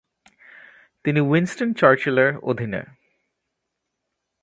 তিনি উইনসটন চার্চিলের অধীনে